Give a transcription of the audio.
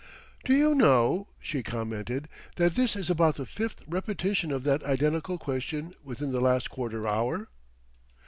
"Do you know," she commented, "that this is about the fifth repetition of that identical question within the last quarter hour?"